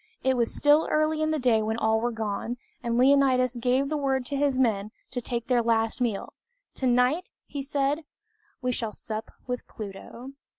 It was still early in the day when all were gone, and Leonidas gave the word to his men to take their last meal. "Tonight," he said, "we shall sup with Pluto."